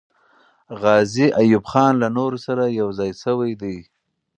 غازي ایوب خان له نورو سره یو ځای سوی دی.